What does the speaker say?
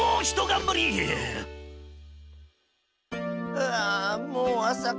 ふあもうあさか。